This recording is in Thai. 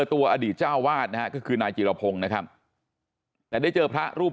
ตัวอดีตเจ้าวาดนะฮะก็คือนายจิรพงศ์นะครับแต่ได้เจอพระรูป